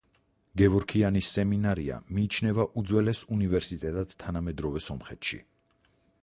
გევორქიანის სემინარია მიიჩნევა უძველეს უნივერსიტეტად თანამედროვე სომხეთში.